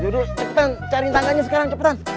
yudhu cepetan cariin tangganya sekarang cepetan